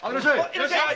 いらっしゃい。